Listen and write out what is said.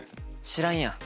知らんやん